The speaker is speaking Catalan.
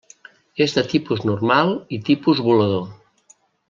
És de tipus normal i tipus volador.